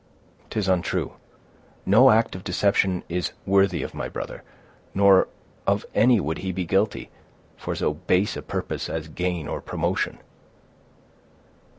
"'Tis untrue; no act of deception is worthy of my brother; nor of any would he be guilty, for so base a purpose as gain or promotion."